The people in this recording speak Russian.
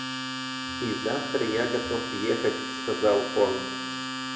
И завтра я готов ехать, — сказал он.